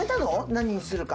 何にするか。